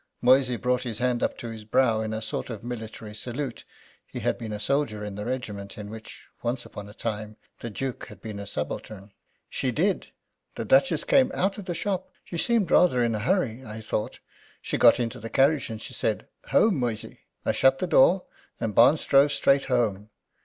Moysey brought his hand up to his brow in a sort of military salute he had been a soldier in the regiment in which, once upon a time, the Duke had been a subaltern: "She did. The Duchess came out of the shop. She seemed rather in a hurry, I thought. She got into the carriage, and she said, 'Home, Moysey!' I shut the door, and Barnes drove straight home.